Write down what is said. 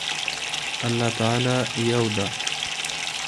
الله تعالی يو ده